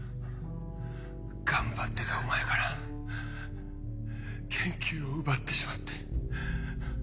頑張ってたお前から研究を奪ってしまって。